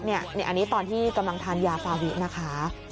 อันนี้ตอนที่กำลังทานยาฟาวินะคะ